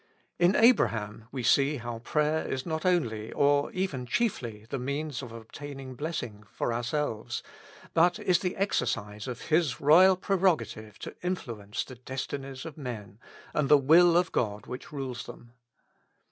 In Abraham we see how prayer is not only, or even chiefly, the means of obtaining blessing for our selves, but is the exercise of His royal prerogative to influence the destinies of men, and the will of God which rules them.